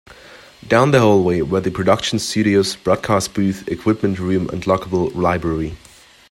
Down the hallway were the production studios, broadcast booth, equipment room, and lockable library.